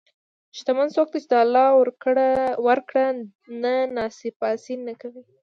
شتمن څوک دی چې د الله ورکړه نه ناسپاسي نه کوي.